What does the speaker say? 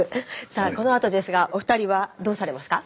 さあこのあとですがお二人はどうされますか？